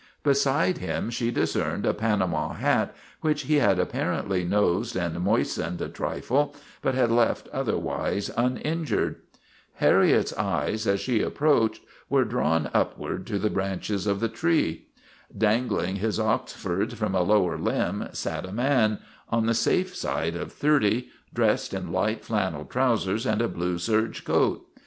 Beside him she discerned a Panama hat which he had apparently nosed and moistened a trifle but had left otherwise uninjured. Harriet's eyes, as she approached, were drawn up WOTAN, THE TERRIBLE 227 ward to the branches of the tree. Dangling his ox fords from a lower limb sat a man, on the safe side of thirty, dressed in light flannel trousers and a blue serge coat.